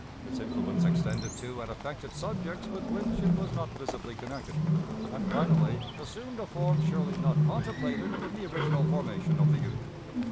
Its influence extended to and affected subjects with which it was not visibly connected, and finally assumed a form surely not contemplated in the original formation of the Union.